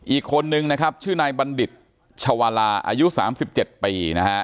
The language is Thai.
อีกคนนึงนะครับชื่อนายบัณฑิตชาวาลาอายุ๓๗ปีนะฮะ